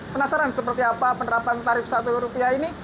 penasaran seperti apa penerapan tarif rp satu ini